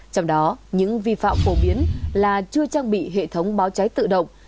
trong đó những vi phạm phổ biến là chưa trang bị hệ thống báo cháy tự động